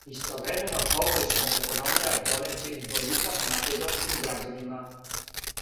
Истовремено, побољшана економија донеће и бољитак македонским грађанима.